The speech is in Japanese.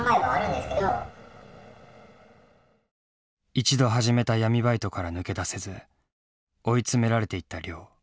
一度始めた闇バイトから抜け出せず追い詰められていった亮。